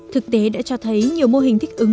thực tế đã cho thấy nhiều mô hình thích ứng